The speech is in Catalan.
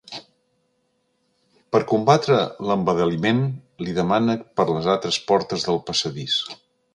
Per combatre l'embadaliment, li demana per les altres portes del passadís.